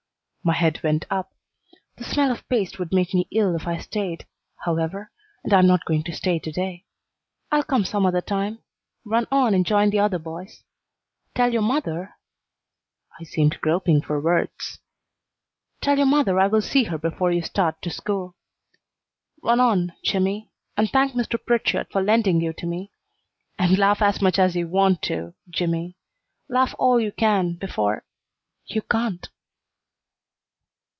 My head went up. "The smell of paste would make me ill if I stayed, however, and I'm not going to stay to day. I'll come some other time. Run on and join the other boys. Tell your mother" I seemed groping for words "tell your mother I will see her before you start to school. Run on, Jimmy, and thank Mr. Pritchard for lending you to me. And laugh as much as you want to, Jimmy. Laugh all you can before you can't!"